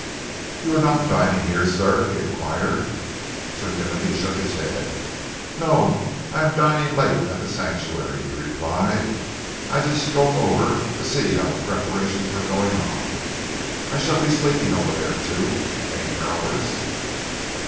"You are not dining here, sir?" he enquired. Sir Timothy shook his head. "No, I am dining late at The Sanctuary," he replied. "I just strolled over to see how the preparations were going on. I shall be sleeping over there, too. Any prowlers?"